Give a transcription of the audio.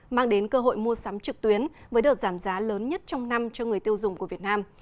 mang đến cơ hội mua sắm trực tuyến với đợt giảm giá lớn nhất trong năm cho người tiêu dùng của việt nam